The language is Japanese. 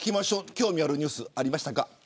興味あるニュースありましたか。